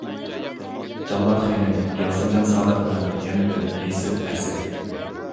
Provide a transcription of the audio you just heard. «جاللات خېنىم» ياسىنجان سادىقنىڭ يەنە بىر ئېسىل ئەسىرى.